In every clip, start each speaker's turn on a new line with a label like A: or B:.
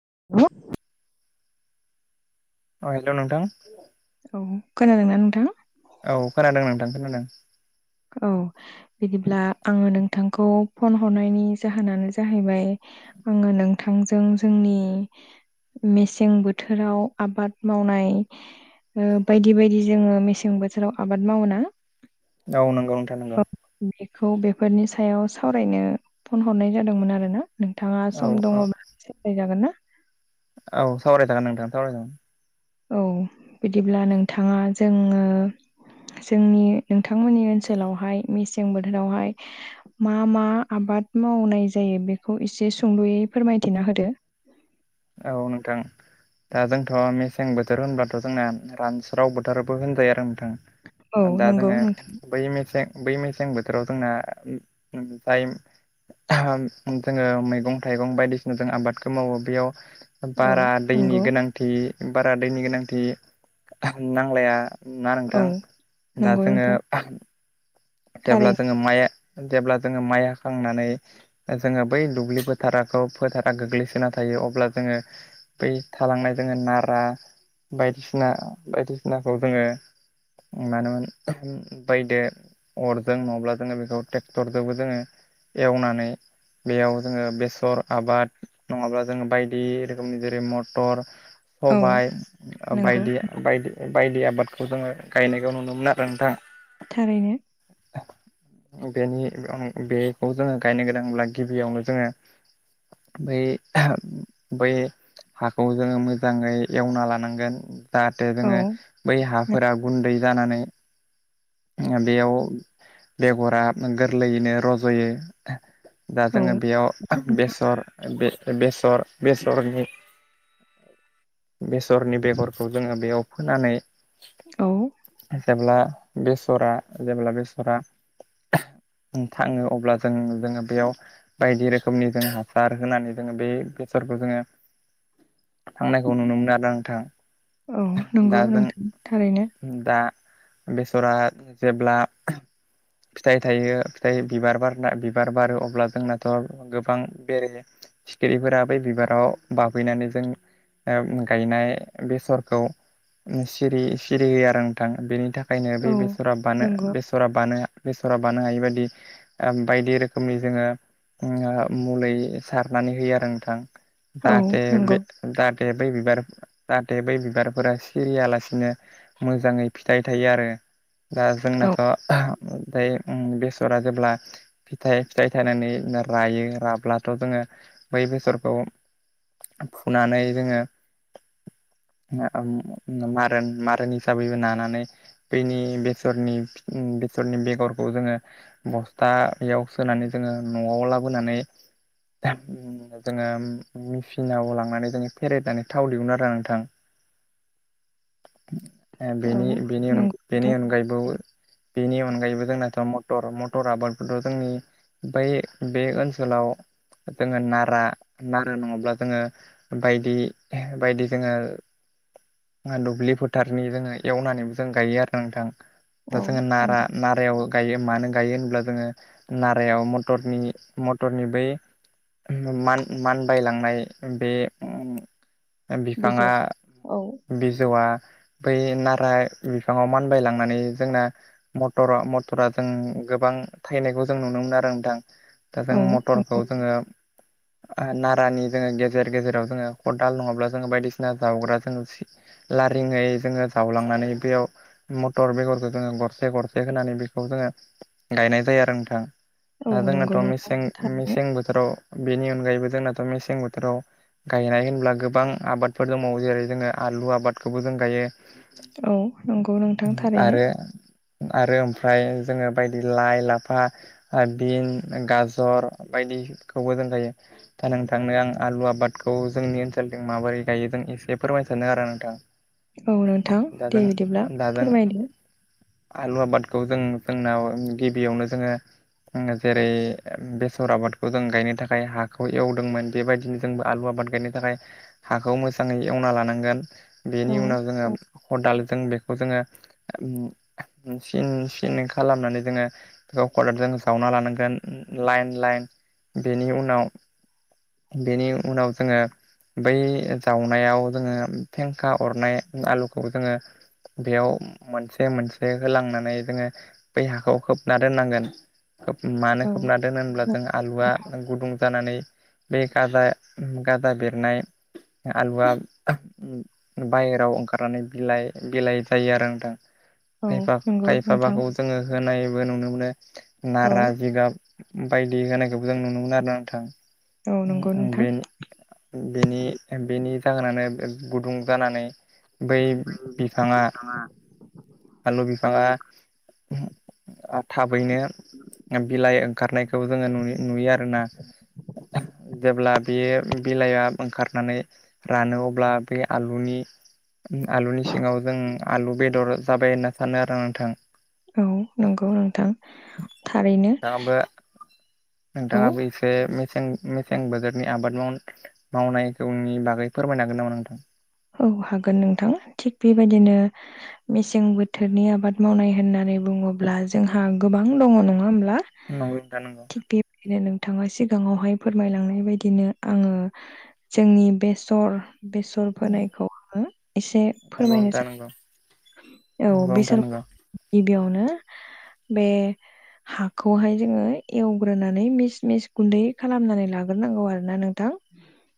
A: [unintelligible]
B: अ हेल' नोंथां।
A: औ खोनादोंना नोंथां?
B: औ खोनादों नोंथां खोनादों।
A: औ बिदिब्ला आङो नोंथांखौ फन हरनायनि जाहोनानो जाहैबाय आङो नोंथांजों जोंनि मेसें बोथोराव आबाद मावनाय ओ बायदि बायदि जोङो मेसें बोथोराव आबाद मावो ना?
B: औ नोंगौ नोंथा नोंगौ।
A: खौ बेफोरनि सायाव सावरायनो फन हरनाय जादोंमोन आरो ना। नोंथाङा
B: औ
A: सम
B: औ
A: दङब्ला सावरायजागोन ना?
B: औ सावराय जागोन नोंथां सावराय जागोन।
A: औ बिदिब्ला नोंथाङा जोङो जोंनि नोंथांमोननि ओनसोलावहाय मेसें बोथोरावहाय मा मा आबाद आबाद मावनाय जायो बेखौ इसे सुंद'यै फोरमायथिना होदो।
B: औ नोंथां। दा जोंथ' मेसें बोथोर होनब्लाथ' जोंना रानस्राव बोथोरबो होनजायो आरो नोंथां।
A: औ
B: दा
A: नंगौ
B: जोङो
A: नोंथां
B: बै मेसें बै मेसें बोथोराव जोंना जाय जोङो मैगं थाइगं बायदिसिना जों आबादखौ मावो बेयाव
A: औ
B: बारा दैनि
A: नंगौ
B: गोनांथि बारा दैनि गोनांथि नांलाया ना
A: औ
B: नोंथां। दा
A: नंगौ
B: जोङो
A: नोंथां थारै
B: जेब्ला जोङो माइ जेब्ला जोङो माइ हाखांनानै जोङो बै दुब्लि फोथारखौ फोथारा गोग्लैसोना थायो अब्ला जोङो बै थालांनाय जोङो नारा बायदिसिना बायदिसिनाखौ जोङो मानोमोन बैदो अरजों नङाब्ला जोङो बेखौ ट्रेक्टरजोंबो जोङो एवनानै बेयाव जोङो बेसर आबाद नङाब्ला जोङो बायदि रोखोमनि जेरै मटर,
A: औ
B: सबाय
A: नंगौ
B: बायदि बायदि बायदि आबादखौ जोङो गायनायखौ नुनो मोनो आरो नोंथां।
A: थारैनो।
B: बेनि बेखौ जोङो गायनो गोनांब्ला गिबियावनो जोङो बै बै हाखौ जोङो मोजाङै एवना लानांगोन। जाहाथे
A: औ
B: जोङो बै हाफोरा गुन्दै जानानै बेयाव बेगरा गोरलैयैनो रज'यो दा
A: औ
B: जोङो
A: नंगौ
B: बेयाव
A: नोंथां
B: बेसर बेसर बेसरनि बेसरनि बेगरखौ जोङो बेयाव फोनानै
A: औ
B: जेब्ला बेसरा जेब्ला बेसरा थाङो अब्ला जों जोङो बेयाव बायदि रोखोमनि जों हासार होनानै जोङो बे बेफोरखौ जोङो थांनायखौ नुनो मोनो आरोना नोंथां
A: औ नंगौ
B: दाजों
A: नोंथां थारैनो
B: दा बेसरा जेब्ला फिथाइ थायो फिथाइ बिबार बारना बिबार बारो अब्ला जोंनाथ' गोबां बेरे सिखिरिफोरा बै बिबाराव बाफैनानै जों गायनाय बेसरखौ सिरि सिरि होयो आरो नोंथां बेनि थाखाय ओंखायनो
A: औ
B: बे बेसरा बानो
A: नंगौ
B: बेसरा बानाया बेसरा बानो हायि बायदि बायदि रोखोमनि जोङो मुलि सारनानै होयो आरो नोंथां
A: औ
B: जाहाथे
A: नंगौ
B: बे जाहाथे बै बिबार जाहाथे बै बिबारफोरा सिरियालासिनो मोजाङै फिथाइ थायो आरो दा
A: औ
B: जोंनाथ' ओमफ्राय बेसरा जेब्ला फिथाइ फिथाइ थायनानै रायो राब्लाथ' जोङो बै बेसरखौ फुनानै जोङो मारा मारन हिसाबैबो नानानै बैनि बे बैनि बेसरनि बेगरखौ जोङो बस्थायाव सोनानै जोङो न'आव होनानै जोङो मेसिनाव लांनानै जोङो फेरेनानै थाव दिहुनो आरो नोंथां ओ
A: औ
B: बेनि-बेनि अन-
A: नंगौ
B: बेनि
A: नोंथां
B: अनगायैबो बेनि अनगायैबो जोंनाथ' मटर मटर आबादथ' जोंनि बै बे ओनसोलाव जोङो नारा नारा नङाब्ला जोङो बायदि बायदि जोङो दुब्लि फोथारनि जोङो एवनानैबो जों गायो आरो ना नोंथां दा
A: औ
B: जोङो
A: औ
B: नारा नारायाव गायो मानो गायो होनब्ला जोङो नारायाव मटरनि मटरनि बै मान मानबायलांनाय बे उम
A: बिजौ
B: बिफाङा
A: औ
B: बिजौआ बै नारा बिफाङाव मानबाय लांनानै जोंना मटर मटरा जों गोबां थायनायखौ जों नुनो मोनो आरो नोंथां दा जों
A: औ
B: मटरखौ जोङो ओ ना रानि जोङो गेजेर गेजेराव जोङो खदाल नङाब्ला जोङो बायदिसिना जावग्राजों लारिङै जोङो जावलांनानै बेयाव मटर बेगरखौ जोङो गरसे गरसे होनानै बेखौ जोङो गायनाय जायो आरो नोंथां
A: औ
B: दा जोंनाथ'
A: नंगौ नोंथां
B: मेसें
A: थारैनो
B: मेसें बोथोराव बेनि अनगायैबो जोंनाथ' मेसें बोथोराव गायनाय होनब्ला गोबां आबादफोर दंबावो जेरै जोङो आलु आबादखौबो जों गायो
A: औ नंगौ नोंथां थारैनो
B: आरो आरो ओमफ्राय जोङो बायदि लाइ लाफा बिन गाजर बायदि खौबो जों गायो दा नोंथांनो आं आलु आबादखौ जोंनि ओनसोलथिं माबोरै गायो जों एसे फोरमाय सानो आरो नोंथां
A: औ नोंथां
B: दा
A: दे
B: जों
A: बिदिब्ला
B: दा जों
A: फोरमायदो
B: आलु आबादखौ जों जोंनाव गिबियावनो जोङो जेरै बेसर आबादखौ जों गायनो थाखाय हाखौ एवदोंमोन बेबायदिनो जोंबो आलु आबाद आबाद गायनो थाखाय हाखौ मोजाङै एवना लानांगोन
A: औ
B: बेनि उनाव जोङो
A: औ
B: खदाल जों बेखौ जोङो सिन सिन खालामनानै जोङो बेखौ खदालजों जावना लानांगोन लाइन लाइन बेनि उनाव बेनि उनाव जोङो बै जावनायाव जोङो फेंखा अरनाय आलुखौ जोङो बेयाव मोनसे मोनसे होलांनानै जोङो बै हाखौ खोबना दोननांगोन। खोब मानो खोबना
A: औ
B: दोनो होनब्ला जों आलुआ गुदुं जानानै बे गाजा गाजा बेरनाय आलुआ बायेराव ओंखारनानै बिलाइ बिलाइ जायो आरो नोंथां।
A: औ
B: खायफा
A: नंगौ नोंथां
B: खायफाबाखौ जोङो होनायबो नुनो मोनो
A: औ
B: नारा जिगाब बायदि होनायखौबो जों नुनो मोनो आरो नोंथां
A: औ नंगौ नोंथां
B: बेनि बेनि बेनि जाहोनानो गुदुं जानानै बै बिफाङा आलु बिफाङा थाबैनो बिलाइ ओंखारनायखौ जोङो नुयो नुयो आरोना। जेब्ला बेयो बिलाइआ ओंखारनानै रानो अब्ला बे आलुनि आलुनि सिङाव जों आलु बेदर जाबाय होनना सानो आरो नोंथां।
A: औ नंगौ नोंथां थारैनो।
B: नोंथाङाबो
A: औ
B: नोंथाङाबो इसे सें- मेसें बोथोरनि आबाद माव- मावनायखौनि बागै फोरमायनो हागोन नामा नोंथां।
A: औ हागोन नोंथां थिग बेबायदिनो मेसें बोथोरनि आबाद मावनाय होननानै होननानै बुङोब्ला जोंहा गोबां दङ नङा होनब्ला
B: नोंथां नंगौ
A: थिग बेबायदिनो नोंथाङा सिगाङावहाय फोरमायलांनाय बायदिनो आङो जोंनि बेसर बेसर फोनायखौ आङो एसे फोरमायनो
B: नोंथां नंगौ
A: सानो। औ
B: नंगौ नोंथां
A: बेसर
B: नंगौ
A: गिबियावनो बे‌ हाखौहाय जोङो एवग्रोनानै मिस मिस गुन्दै खालामनानै लाग्रोनांगौ आरोना नोंथां।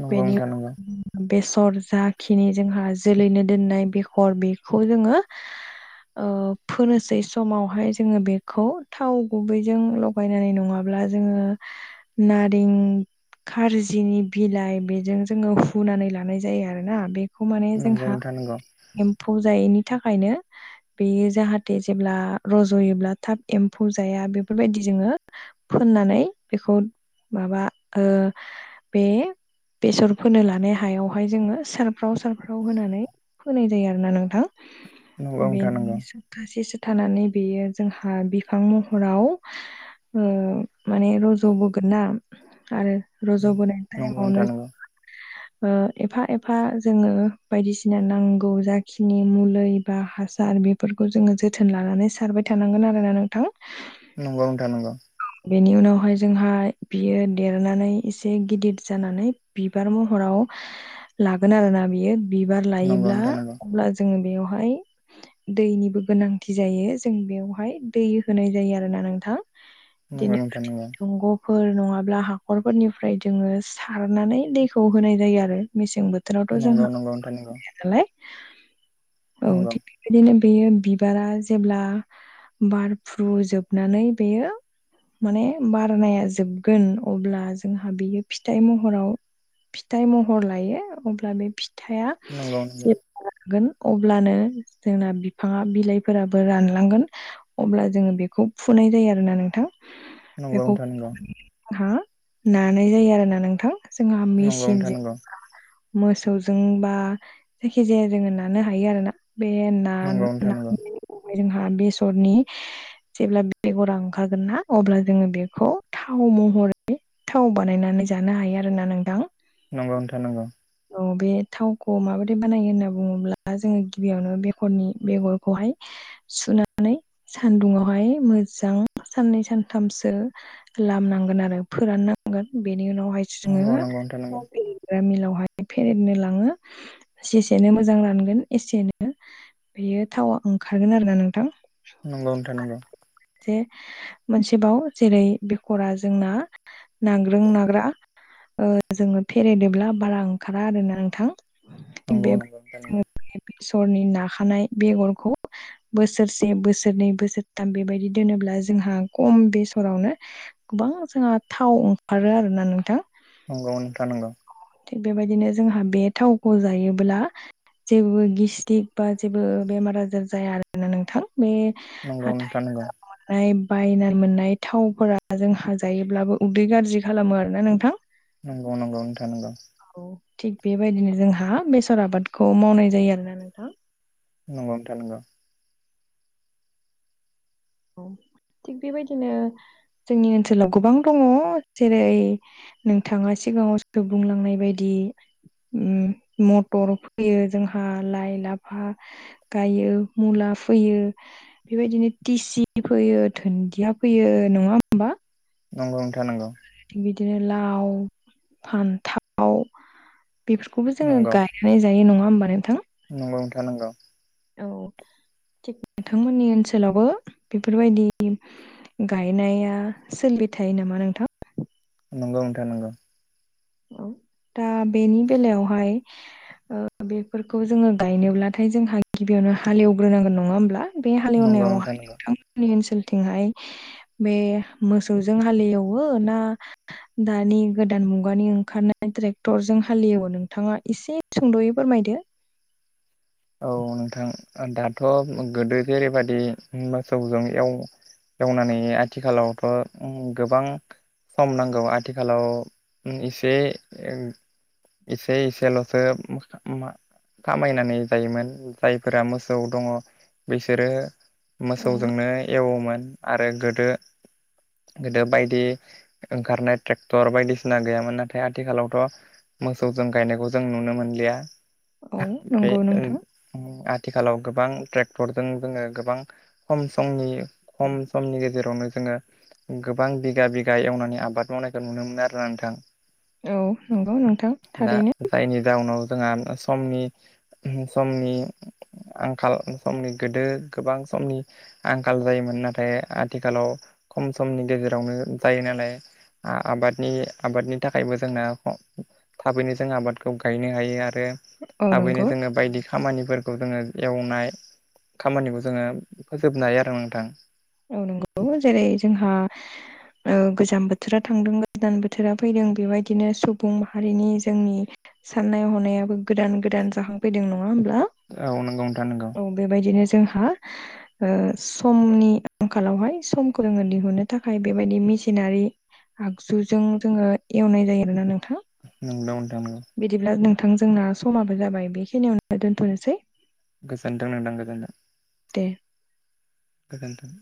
B: नंगौ
A: बेनि
B: नोंथा नंगौ।
A: उनाव बेसर जाखिनि जोंहा जोलैनो दोननाय बेसर बेखौ जोङो ओ फोनोसै समावहाय जोङो बेखौ थाव गुबैजों लगायनानै नङाब्ला जोङो नारें खार्जिनि बिलाइ बेजों जोङो हुनानै लानाय जायो आरो ना। बे बेखौ माने
B: नंगौ
A: जोंहा
B: नोंथां नंगौ
A: एम्फौ जायैनि थाखायनो बेयो जाहाथे जेब्ला रज'योब्ला थाब एम्फौ जाया। बेफोरबायदि जोङो फोननानै बेखौ माबा ओ बे बेसर फोनो लानाय हायावहाय जोङो सारफ्राव सारफ्राव होनानै फोनाय जायो आरो ना नोंथां।
B: नंगौ
A: बेनि सप्तासे थानानै बेयो जोंहा बिफां महराव उम माने रज'बोगोन ना आरो। रज'बोनाय टाइमावनो
B: नोंथां
A: ओ एफा एफा जोङो बायदिसिना नांगौ जाखिनि मुलै बा हासार बेफोरखौ जोङो जोथोन लानानै सारबाय थानांगोन आरोना नोंथां।
B: नंगौ नोंथां नंगौ।
A: बेनि उनावहाय जोंहा बियो देरनानै एसे गिदिर जानानै बिबार महराव लागोन आरोना बियो बिबार
B: नंगौ
A: लायोब्ला अब्ला, जोङो बेयावहाय दैनिबो गोनांथि जायो। जों बेवहाय दै होनाय जायो आरोना नोंथां।
B: नांगौ नोंथां नंगौ।
A: फोर नङाब्ला हाखरफोरनिफ्राय जोङो सारनानै दैखौ होनाय जायो आरो मेसें बो थोरावथ'
B: नंगौ नंगौ नोंथां
A: जोंहालाय
B: नंगौ
A: [unintelligible] नालाय औ
B: नंगौ
A: थिक बिदिनो बेयो बिबारा जेब्ला बारफ्रुजोबनानै बेयो माने बारनाया जोबगोन अब्ला जोंहा बियो फिथाइ महराव फिथाइ महर लायो। अब्ला बे फिथाइआ
B: नंगौ नंगौ
A: जेब्ला लागोन अब्लानो जोंना बिफाङा बिलाइफोराबो रानलांगोन अब्ला जोङो बेखौ फुनाय जायो आरो। आरोना नोंथां।
B: नंगौ नोंथां नंगौ।
A: हा नानाय जायो आरो ना नोंथां। जोंहा
B: नंगौ नोंथां
A: मेसिनजों
B: नंगौ
A: मोसौजों बा जायखि जाया जोङो नानो हायो आरो ना। बे ना ना जोंहा बेसरनि जेब्ला बेगरा ओंखारगोन ना अब्ला जोङो बेखौ थाव महरै थाव बानायनानै जानो हायो आरोना नोंथां।
B: नंगौ नोंथा नंगौ।
A: औ बे थावखौ माबोरै बानायो होनना बुङोब्ला जोङो गिबियावनो बेगरनि बेगरखौहाय सुनानै सानदुङावहाय मोजां साननै सानथामसो लामनांगोन आरो फोराननांगोन। बे नि उनावहायो जोङो
B: नंगौ नोंथां नंगौ
A: [unintelligible] मिलावहाय फेरनो लाङो जेसेनो मोजां रानगोन एसेनो बेयो थावा ओंखारगोन आरो ना नोंथां।
B: नंगौ नोथां नंगौ।
A: जे मोनसेबाव जेरै बेखरा जोंना नाग्रों नाग्रा जोङो ओ फेरायदोंब्ला बारा ओंखारा आरोना नोंथां।
B: नंगौ नंगौ नोंथा नंगौ।
A: सरनि नाखानाय बेगरखौ बोसोरसे बोसोरनै बोसोरथाम बेबायदि दोनोब्ला जोंहा खम बेसरावनो गोबां जोंहा थाव ओंखारो आरोना नोंथां।
B: नंगौ नोंथां नंगौ।
A: थिग बेबायदिनो जोंहा बे थावखौ जायोब्ला जेबो गिस्टिक बा जेबो बेमार आजार जाया आरोना नोंथां। बे
B: नंगौ
A: हाथाइ बाजाराव मोननाय बायना मोननाय थावफोरा जोंहा जायोब्लाबो उदै गाज्रि खालामो आरोना नोंथां।
B: नंगौ नंगौ नोंथां नंगौ।
A: थिग बेबायदिनो जोंहा बेसर आबादखौ मावनाय जायो आरोना नोंथां।
B: नंगौ नोंथां नंगौ।
A: औ थिग बेबायदिनो जोंनि ओनसोलाव गोबां दङ जेरै नोंथाङा सिगाङाव बुंलांनाय बायदि बे ओम मटर फैयो जोंहा लाइ लाफा गायो मुला फैयो बेबायदिनो टिसि फोयो धोन्दिया फोयो नङा होमबा?
B: नंगौ नोंथां नंगौ।
A: थिग बिदिनो लाव, फान्थाव बेफोरखौबो जोङो गायनानै जायो नङा होमबा नोंथां?
B: नंगौ नोंथां नंगौ।
A: औ, थिग नोंथांमोननि ओनसोलावबो बेफोरबायदि गायनाया सोलिबाय थायो नामा नोंथां?
B: नंगौ नोंथां नंगौ।
A: औ दा बेनि बेलायावहाय बेफोरखौ जोङो गायनोब्लाथाय जोंहा गिबियावनो हालेवग्रोनांगोन नङा होमब्ला। बे
B: नंगौ नोंथां
A: हालेवनायावहाय
B: नंगौ
A: नोंथांनि ओनसोलथिंहाय बे मोसौजों हालएवो ना दानि गोदान मु गानि ओंखारनाय ट्रेक्टरजों हालियोबो नोंथाङा एसे सुंद'यै फोरमायदो [inaudible]
B: ओ दाथ' गोदो जेरैबादि ओम मोसौजों एव एवनानै आथिखालावथ' ओम गोबां सम नांगौ आथिखालाव ओ इसे ओ एसे एसेल'सो खामायनानै जायोमोन जायफोरा मोसौ दङ बिसोरो
A: औ
B: मोसौजोंनो एवोमोन आरो गोदो गोदो बायदि ओंखारनाय ट्रेक्टर बायदिसिना गैयामोन नाथाय आथिखालावथ' मोसौजों गायनायखौ जों नुनो मोनलिया।
A: औ नंगौ
B: ओ
A: नोंथां
B: ओम आथ [unintelligible] थिखालाव गोबां ट्रेक्टरजों जोङो गोबां खम समनि खम समनि गेजेरावनो जोङो गोबां बिगा बिगा एवनानै आबाद मावनायखौ नुनो मोनो आरोना नोंथां।
A: औ नंगौ नोंथां
B: दा
A: थारैनो
B: जायनि जाउनाव जोंहा समनि समनि आंखाल समनि गोदो गोबां समनि आंखाल जायोमोन नाथाय आथिखालाव खम समनि गेजेरावनो जायो नालाय। आबादनि आबादनि थाखायबो जोंना थाबैनो जों आबादखौ गायनो हायो आरो
A: औ
B: थाबैनो
A: नंगौ।
B: जोङो बायदि खामानिफोर खौ जोङो एवनाय खामानिखौ जोङो फोजोबनो हायो आरो नोंथां।
A: औ नंगौ जेरै जोंहा ओ गोजां बोथोरा थांदों गोजान बोथोरा फैदों बेबायदिनो सुबुं माहारिनि जोंनि साननाय हनायाबो गोदान गोदान जाखांफैदों न नङा होमब्ला?
B: औ नंगौ नोंथां नंगौ
A: औ बेबायदिनो जोंहा ओ समनि आंखालावहाय समखौ जोंङो दिहुनो थाखाय बेबायदि मेसिनारि आगजुजों जोङो एवनाय जायो आरोना नों
B: नोंगौ नोंथां नंगौ।
A: थां जोंना समाबो जाबाय बेखिनियावनो दोन्थ'नोसै।
B: गोजोनदों नोंथां गोजोनथों।
A: दे।
B: गोजोनथों।